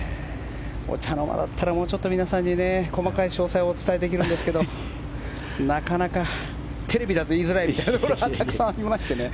お茶の間だったらもうちょっと皆さんに細かい詳細をお伝えできるんですけどなかなかテレビだと言いづらいところがたくさんありましてね。